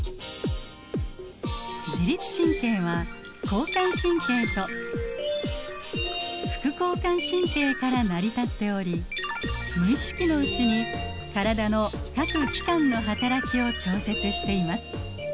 自律神経は交感神経と副交感神経から成り立っており無意識のうちに体の各器官のはたらきを調節しています。